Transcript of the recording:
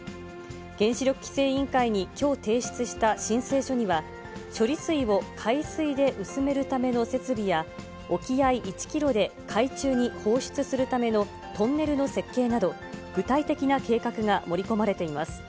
原子力規制委員会にきょう提出した申請書には、処理水を海水で薄めるための設備や、沖合１キロで海中に放出するためのトンネルの設計など、具体的な計画が盛り込まれています。